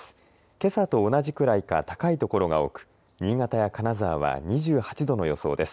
けさと同じくらいか高い所が多く新潟や金沢は２８度の予想です。